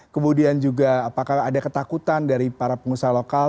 kemudian juga apakah ada ketakutan dari para pengusaha lokal